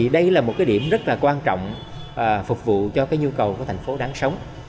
đây là một điểm rất quan trọng phục vụ cho nhu cầu của thành phố đáng sống